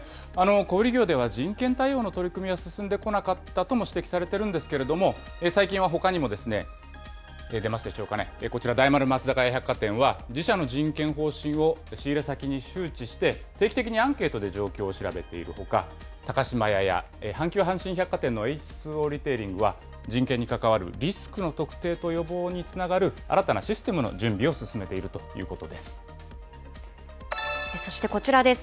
小売り業では人権対応の取り組みが進んでこなかったとも指摘されているんですけれども、最近はほかにも、出ますでしょうかね、こちら、大丸松坂屋百貨店は、自社の人権方針を仕入れ先に周知して、定期的にアンケートで状況を調べているほか、高島屋や阪急阪急百貨店のエイチ・ツー・オーリテイリングは、人権に関わるリスクの特定と予防につながる新たなシステムの準備そしてこちらです。